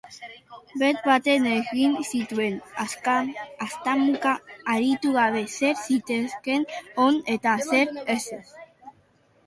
Bet-betan egin zituen, haztamuka aritu gabe zer zitekeen on eta zer ez.